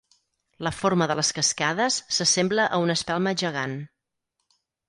La forma de les cascades s'assembla a una espelma gegant.